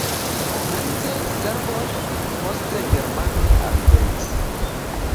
Komence serboj, poste germanoj alvenis.